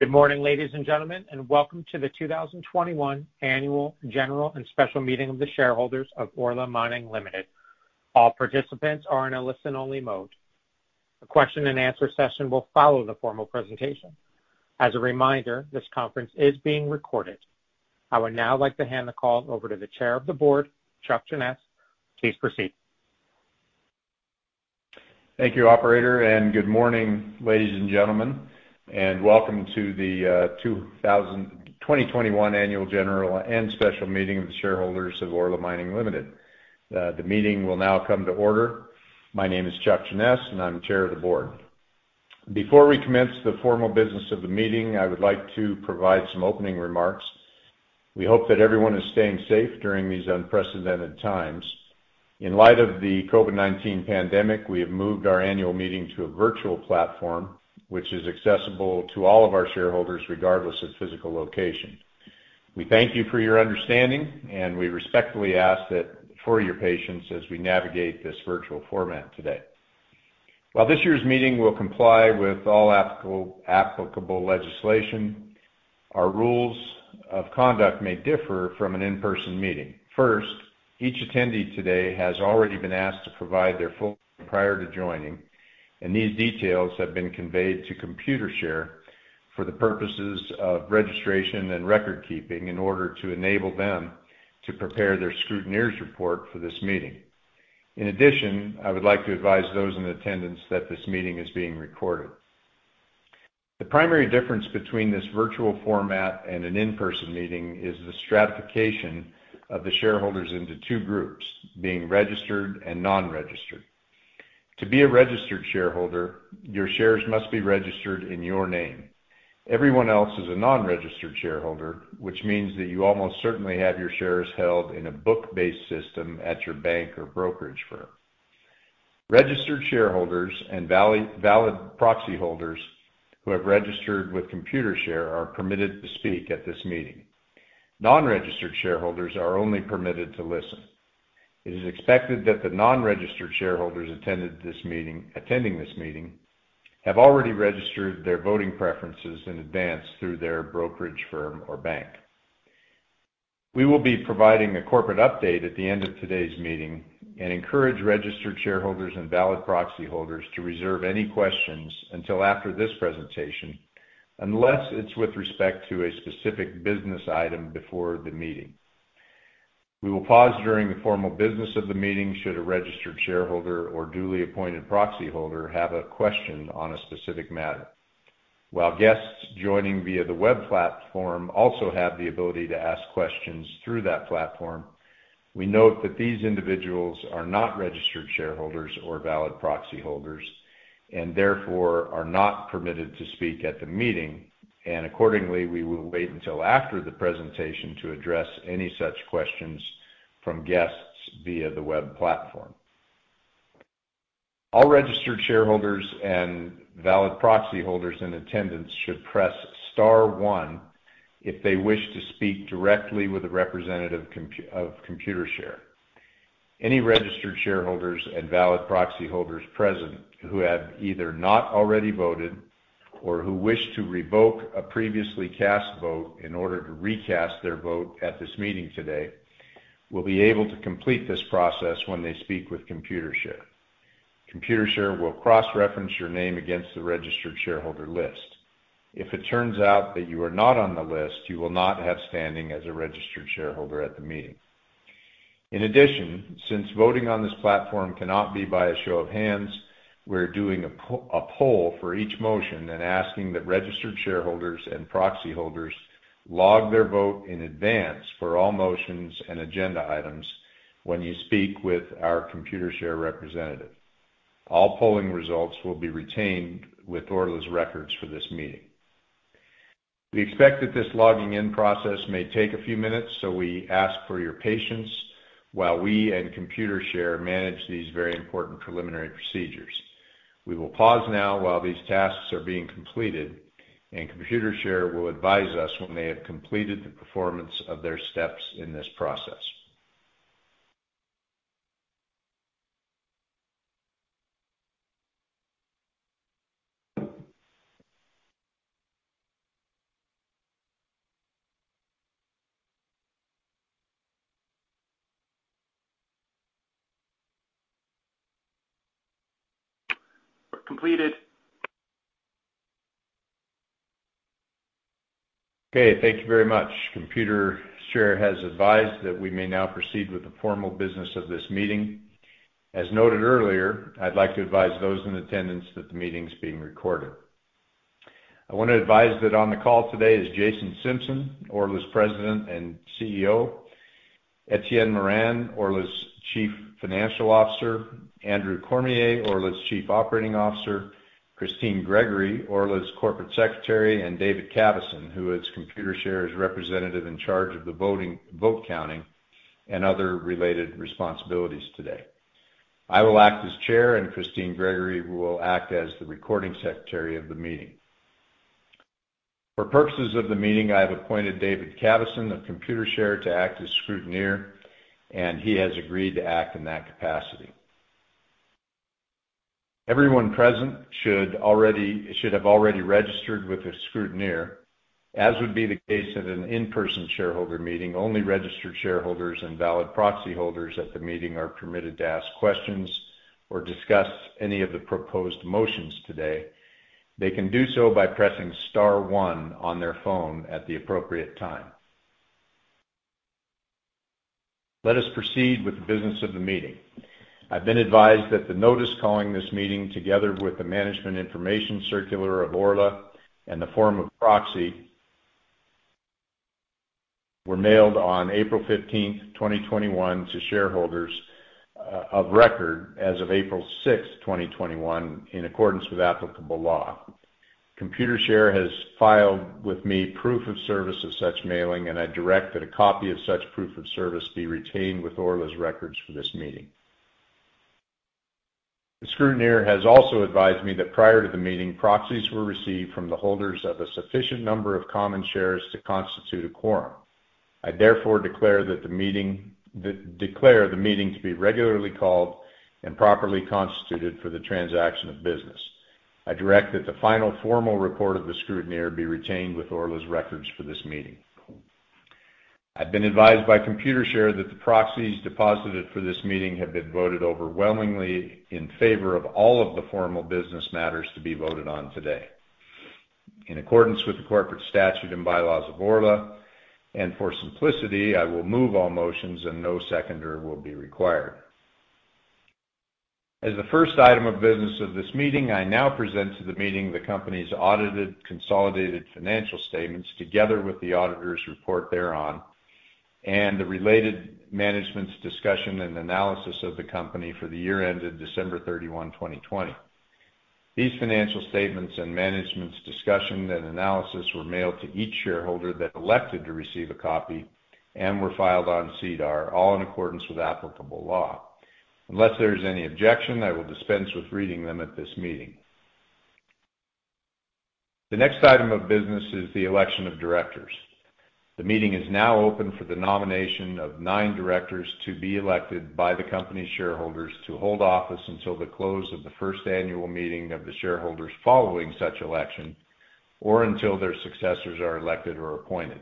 Good morning, ladies and gentlemen, and welcome to the 2021 Annual General and Special Meeting of the Shareholders of Orla Mining Limited. All participants are in a listen-only mode. A question-and-answer session will follow the formal presentation. As a reminder, this conference is being recorded. I would now like to hand the call over to the Chair of the Board, Charles Jeannes. Please proceed. Thank you, operator, and good morning, ladies and gentlemen, and welcome to the 2021 Annual General and Special Meeting of the Shareholders of Orla Mining Limited. The meeting will now come to order. My name is Chuck Jeannes, and I'm Chair of the Board. Before we commence the formal business of the meeting, I would like to provide some opening remarks. We hope that everyone is staying safe during these unprecedented times. In light of the COVID-19 pandemic, we have moved our annual meeting to a virtual platform, which is accessible to all of our shareholders, regardless of physical location. We thank you for your understanding, and we respectfully ask for your patience as we navigate this virtual format today. While this year's meeting will comply with all applicable legislation, our rules of conduct may differ from an in-person meeting. First, each attendee today has already been asked to provide their full name prior to joining, and these details have been conveyed to Computershare for the purposes of registration and record keeping in order to enable them to prepare their scrutineer's report for this meeting. In addition, I would like to advise those in attendance that this meeting is being recorded. The primary difference between this virtual format and an in-person meeting is the stratification of the shareholders into two groups, being registered and non-registered. To be a registered shareholder, your shares must be registered in your name. Everyone else is a non-registered shareholder, which means that you almost certainly have your shares held in a book-based system at your bank or brokerage firm. Registered shareholders and valid proxy holders who have registered with Computershare are permitted to speak at this meeting. Non-registered shareholders are only permitted to listen. It is expected that the non-registered shareholders attending this meeting have already registered their voting preferences in advance through their brokerage firm or bank. We will be providing a corporate update at the end of today's meeting and encourage registered shareholders and valid proxy holders to reserve any questions until after this presentation, unless it's with respect to a specific business item before the meeting. We will pause during the formal business of the meeting, should a registered shareholder or duly appointed proxy holder have a question on a specific matter. While guests joining via the web platform also have the ability to ask questions through that platform, we note that these individuals are not registered shareholders or valid proxy holders, and therefore are not permitted to speak at the meeting, and accordingly, we will wait until after the presentation to address any such questions from guests via the web platform. All registered shareholders and valid proxy holders in attendance should press star one if they wish to speak directly with a representative of Computershare. Any registered shareholders and valid proxy holders present, who have either not already voted or who wish to revoke a previously cast vote in order to recast their vote at this meeting today, will be able to complete this process when they speak with Computershare. Computershare will cross-reference your name against the registered shareholder list. If it turns out that you are not on the list, you will not have standing as a registered shareholder at the meeting. In addition, since voting on this platform cannot be by a show of hands, we're doing a poll for each motion and asking that registered shareholders and proxy holders log their vote in advance for all motions and agenda items when you speak with our Computershare representative. All polling results will be retained with Orla's records for this meeting. We expect that this logging in process may take a few minutes, so we ask for your patience while we and Computershare manage these very important preliminary procedures. We will pause now while these tasks are being completed, and Computershare will advise us when they have completed the performance of their steps in this process. Completed. Okay, thank you very much. Computershare has advised that we may now proceed with the formal business of this meeting. As noted earlier, I'd like to advise those in attendance that the meeting's being recorded. I want to advise that on the call today is Jason Simpson, Orla's President and CEO, Etienne Morin, Orla's Chief Financial Officer, Andrew Cormier, Orla's Chief Operating Officer, Christine Gregor, Orla's Corporate Secretary, and David Cavason, who is Computershare's representative in charge of the voting, vote counting and other related responsibilities today. I will act as chair, and Christine Gregor will act as the recording secretary of the meeting. For purposes of the meeting, I have appointed David Cavason of Computershare to act as scrutineer, and he has agreed to act in that capacity. Everyone present should have already registered with the scrutineer. As would be the case at an in-person shareholder meeting, only registered shareholders and valid proxy holders at the meeting are permitted to ask questions or discuss any of the proposed motions today. They can do so by pressing star one on their phone at the appropriate time. Let us proceed with the business of the meeting. I've been advised that the notice calling this meeting, together with the Management Information Circular of Orla and the form of proxy, were mailed on April 15, 2021, to shareholders of record as of April 6, 2021, in accordance with applicable law. Computershare has filed with me proof of service of such mailing, and I direct that a copy of such proof of service be retained with Orla's records for this meeting. The scrutineer has also advised me that prior to the meeting, proxies were received from the holders of a sufficient number of common shares to constitute a quorum. I therefore declare the meeting to be regularly called and properly constituted for the transaction of business. I direct that the final formal report of the scrutineer be retained with Orla's records for this meeting. I've been advised by Computershare that the proxies deposited for this meeting have been voted overwhelmingly in favor of all of the formal business matters to be voted on today. In accordance with the corporate statute and bylaws of Orla, and for simplicity, I will move all motions, and no seconder will be required. As the first item of business of this meeting, I now present to the meeting the company's audited, consolidated financial statements, together with the auditor's report thereon, and the related management's discussion and analysis of the company for the year ended December 31, 2020. These financial statements and management's discussion and analysis were mailed to each shareholder that elected to receive a copy and were filed on SEDAR, all in accordance with applicable law. Unless there is any objection, I will dispense with reading them at this meeting. The next item of business is the election of directors. The meeting is now open for the nomination of nine directors to be elected by the company's shareholders to hold office until the close of the first annual meeting of the shareholders following such election or until their successors are elected or appointed.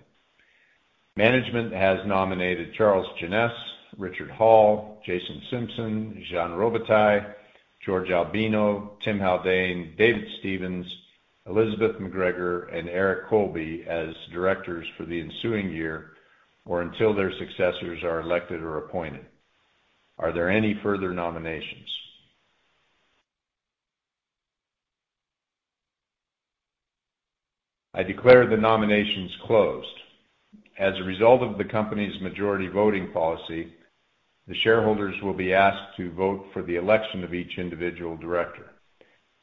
Management has nominated Charles Jeannes, Richard Hall, Jason Simpson, Jean Robitaille, George Albino, Tim Haldane, David Stephens, Elizabeth McGregor, and Eric Colby as directors for the ensuing year or until their successors are elected or appointed. Are there any further nominations? I declare the nominations closed. As a result of the company's majority voting policy, the shareholders will be asked to vote for the election of each individual director.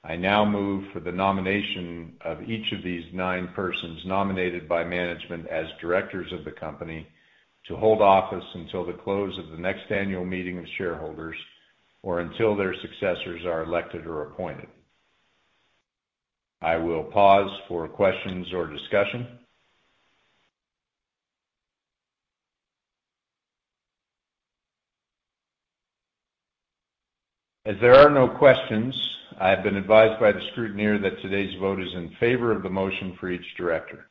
I now move for the nomination of each of these nine persons nominated by management as directors of the company to hold office until the close of the next annual meeting of shareholders or until their successors are elected or appointed. I will pause for questions or discussion. As there are no questions, I have been advised by the scrutineer that today's vote is in favor of the motion for each director.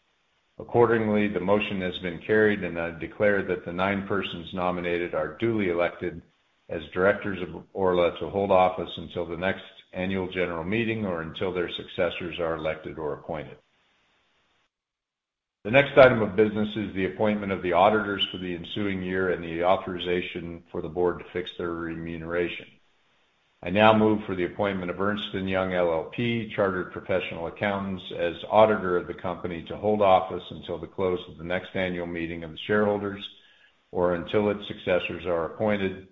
Accordingly, the motion has been carried, and I declare that the nine persons nominated are duly elected as directors of Orla to hold office until the next annual general meeting or until their successors are elected or appointed. The next item of business is the appointment of the auditors for the ensuing year and the authorization for the board to fix their remuneration. I now move for the appointment of Ernst & Young LLP, Chartered Professional Accountants, as auditor of the company to hold office until the close of the next annual meeting of the shareholders or until its successors are appointed,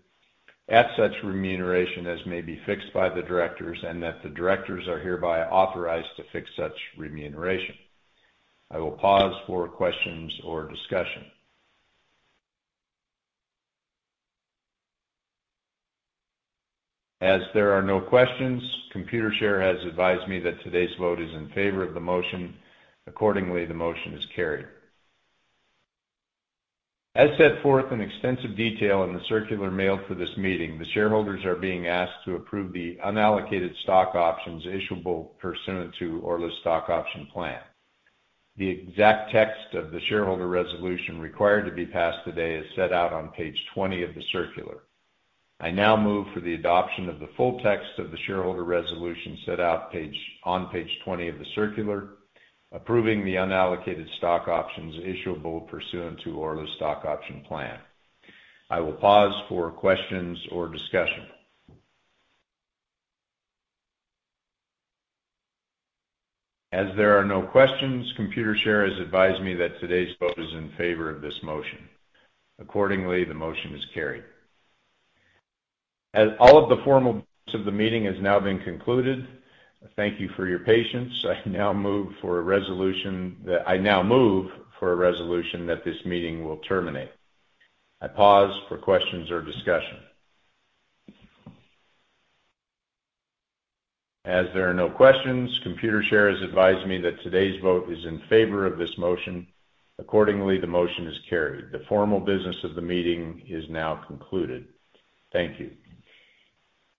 at such remuneration as may be fixed by the directors, and that the directors are hereby authorized to fix such remuneration. I will pause for questions or discussion. As there are no questions, Computershare has advised me that today's vote is in favor of the motion. Accordingly, the motion is carried. As set forth in extensive detail in the circular mail for this meeting, the shareholders are being asked to approve the unallocated stock options issuable pursuant to Orla's stock option plan. The exact text of the shareholder resolution required to be passed today is set out on page 20 of the circular. I now move for the adoption of the full text of the shareholder resolution set out on page 20 of the circular, approving the unallocated stock options issuable pursuant to Orla's stock option plan. I will pause for questions or discussion. As there are no questions, Computershare has advised me that today's vote is in favor of this motion. Accordingly, the motion is carried. As all of the formal business of the meeting has now been concluded, thank you for your patience. I now move for a resolution that this meeting will terminate. I pause for questions or discussion. As there are no questions, Computershare has advised me that today's vote is in favor of this motion. Accordingly, the motion is carried. The formal business of the meeting is now concluded. Thank you.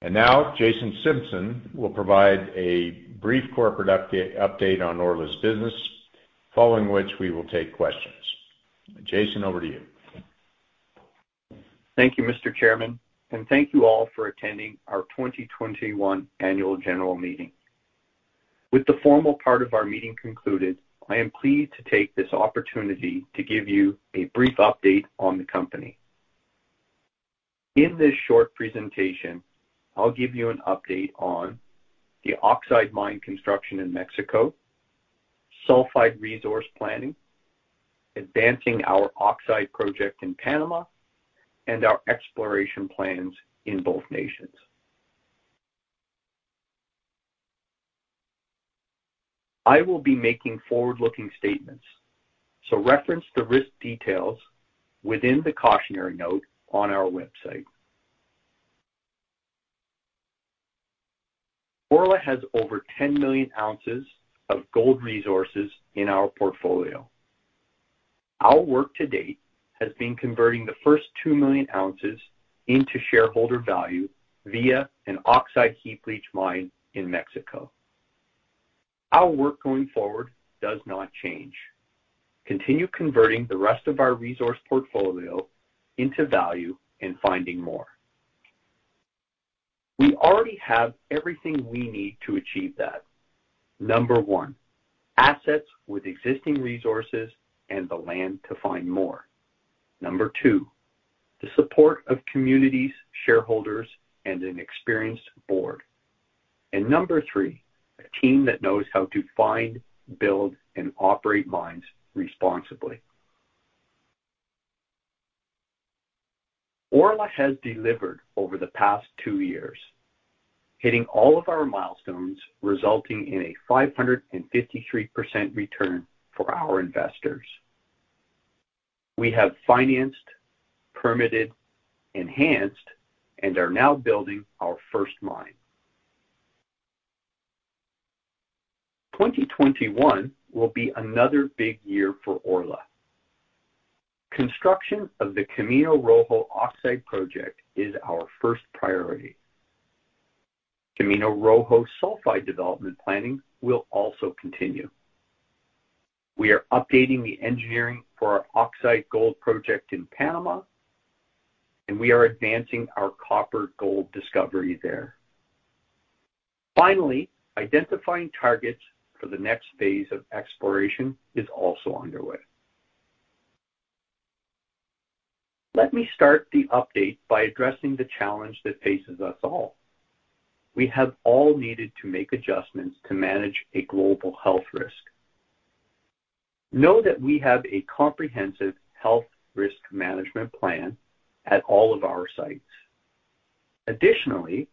And now, Jason Simpson will provide a brief corporate update on Orla's business, following which we will take questions. Jason, over to you. Thank you, Mr. Chairman, and thank you all for attending our 2021 Annual General Meeting. With the formal part of our meeting concluded, I am pleased to take this opportunity to give you a brief update on the company. In this short presentation, I'll give you an update on the oxide mine construction in Mexico, sulfide resource planning, advancing our oxide project in Panama, and our exploration plans in both nations. I will be making forward-looking statements, so reference the risk details within the cautionary note on our website. Orla has over 10 million ounces of gold resources in our portfolio. Our work to date has been converting the first 2 million ounces into shareholder value via an oxide heap leach mine in Mexico. Our work going forward does not change: continue converting the rest of our resource portfolio into value and finding more. We already have everything we need to achieve that. 1, assets with existing resources and the land to find more. 2, the support of communities, shareholders, and an experienced board. And 3, a team that knows how to find, build, and operate mines responsibly. Orla has delivered over the past 2 years, hitting all of our milestones, resulting in a 553% return for our investors. We have financed, permitted, enhanced, and are now building our first mine. 2021 will be another big year for Orla. Construction of the Camino Rojo Oxide Project is our first priority. Camino Rojo Sulfide development planning will also continue. We are updating the engineering for our oxide gold project in Panama, and we are advancing our copper gold discovery there. Finally, identifying targets for the next phase of exploration is also underway. Let me start the update by addressing the challenge that faces us all. We have all needed to make adjustments to manage a global health risk. Know that we have a comprehensive health risk management plan at all of our sites. Additionally,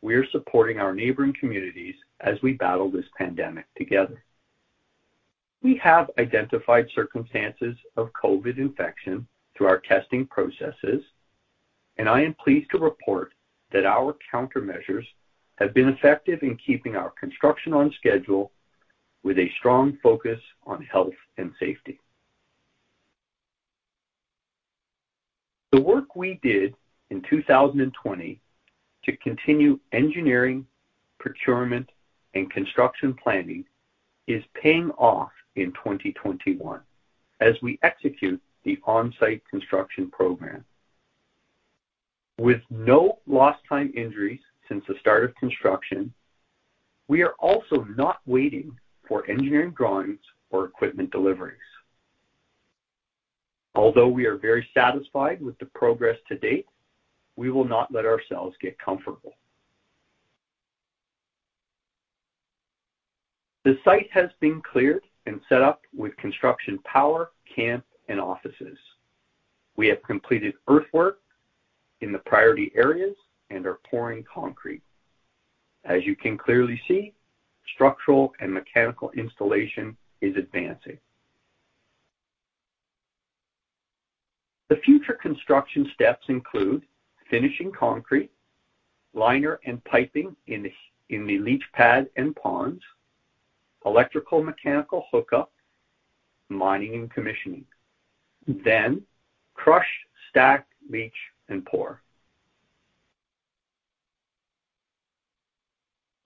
we are supporting our neighboring communities as we battle this pandemic together. We have identified circumstances of COVID infection through our testing processes, and I am pleased to report that our countermeasures have been effective in keeping our construction on schedule with a strong focus on health and safety. The work we did in 2020 to continue engineering, procurement, and construction planning is paying off in 2021 as we execute the on-site construction program. With no lost time injuries since the start of construction, we are also not waiting for engineering drawings or equipment deliveries. Although we are very satisfied with the progress to date, we will not let ourselves get comfortable. The site has been cleared and set up with construction power, camp, and offices. We have completed earthwork in the priority areas and are pouring concrete. As you can clearly see, structural and mechanical installation is advancing. The future construction steps include finishing concrete, liner and piping in the leach pad and ponds, electrical, mechanical hookup, mining and commissioning. Then crush, stack, leach, and pour.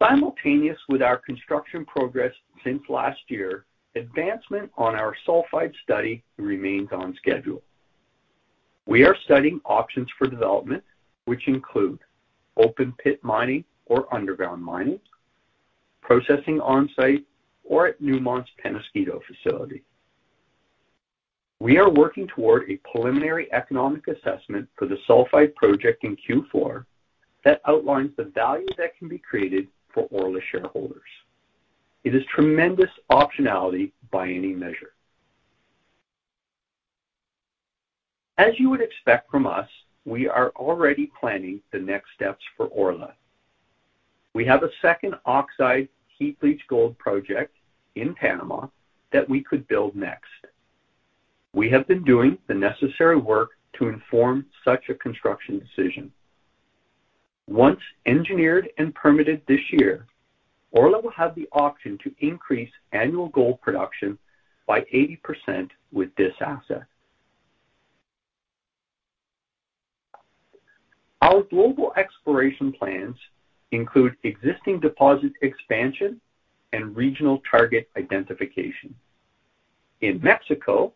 Simultaneous with our construction progress since last year, advancement on our sulfide study remains on schedule. We are studying options for development, which include open pit mining or underground mining, processing on-site or at Newmont's Peñasquito facility. We are working toward a preliminary economic assessment for the sulfide project in Q4 that outlines the value that can be created for Orla shareholders. It is tremendous optionality by any measure. As you would expect from us, we are already planning the next steps for Orla. We have a second oxide heap leach gold project in Panama that we could build next. We have been doing the necessary work to inform such a construction decision. Once engineered and permitted this year, Orla will have the option to increase annual gold production by 80% with this asset. Our global exploration plans include existing deposit expansion and regional target identification. In Mexico,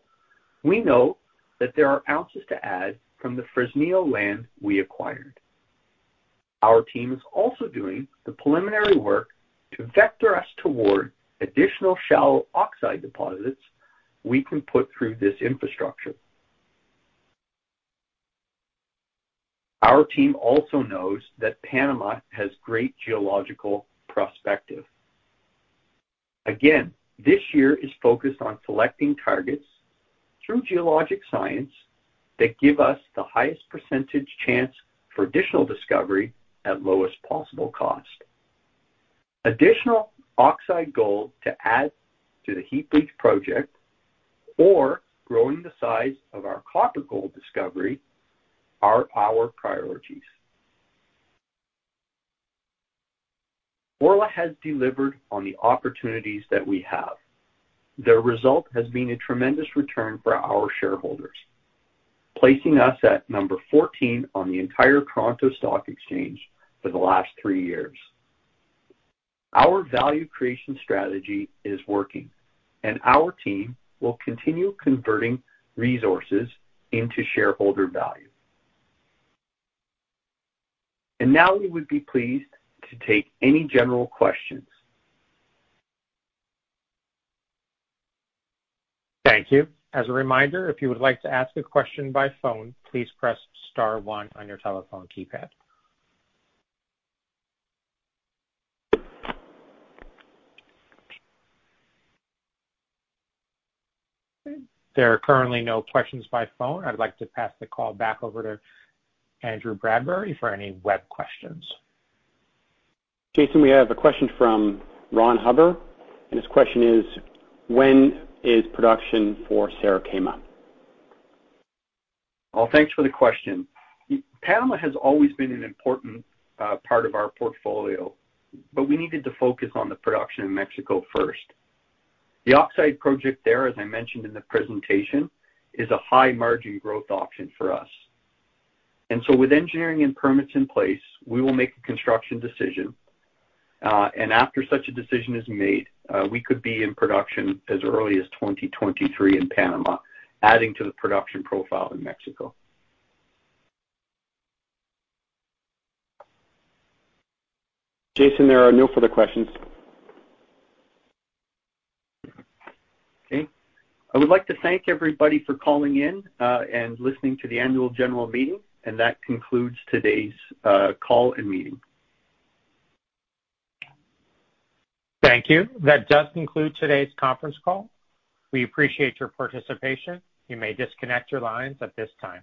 we know that there are ounces to add from the Fresnillo land we acquired. Our team is also doing the preliminary work to vector us toward additional shallow oxide deposits we can put through this infrastructure. Our team also knows that Panama has great geological prospectivity. Again, this year is focused on selecting targets through geologic science that give us the highest percentage chance for additional discovery at lowest possible cost. Additional oxide gold to add to the heap leach project or growing the size of our copper gold discovery are our priorities. Orla has delivered on the opportunities that we have. The result has been a tremendous return for our shareholders, placing us at number 14 on the entire Toronto Stock Exchange for the last three years. Our value creation strategy is working, and our team will continue converting resources into shareholder value. And now we would be pleased to take any general questions. Thank you. As a reminder, if you would like to ask a question by phone, please press star one on your telephone keypad. There are currently no questions by phone. I'd like to pass the call back over to Andrew Bradbury for any web questions. Jason, we have a question from Ron Hubbard, and his question is: When is production for Cerro Quema? Well, thanks for the question. Panama has always been an important part of our portfolio, but we needed to focus on the production in Mexico first. The oxide project there, as I mentioned in the presentation, is a high-margin growth option for us. So with engineering and permits in place, we will make a construction decision. After such a decision is made, we could be in production as early as 2023 in Panama, adding to the production profile in Mexico. Jason, there are no further questions. Okay. I would like to thank everybody for calling in and listening to the annual general meeting, and that concludes today's call and meeting. Thank you. That does conclude today's conference call. We appreciate your participation. You may disconnect your lines at this time.